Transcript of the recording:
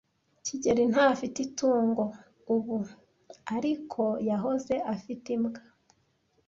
kigeli ntafite itungo ubu, ariko yahoze afite imbwa.